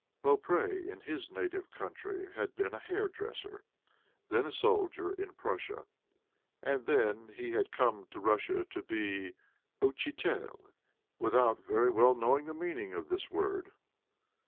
Beaupré, in his native country, had been a hairdresser, then a soldier in Prussia, and then had come to Russia to be "outchitel," without very well knowing the meaning of this word.